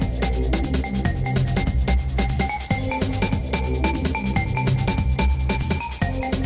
สวัสดีครับทุกคน